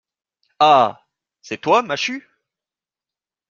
Ah ! c’est toi, Machut ?